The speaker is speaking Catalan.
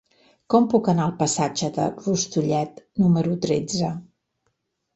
Com puc anar al passatge de Rustullet número tretze?